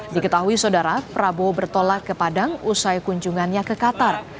diketahui saudara prabowo bertolak ke padang usai kunjungannya ke qatar